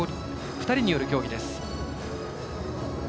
２人による競技です。